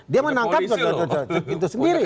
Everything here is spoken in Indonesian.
dia menangkap itu sendiri